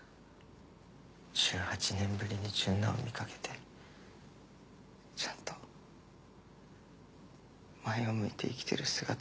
１８年ぶりに純奈を見かけてちゃんと前を向いて生きてる姿を見て。